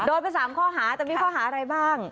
โดนไป๓ข้อหาแต่มีข้อหาอะไรบ้าง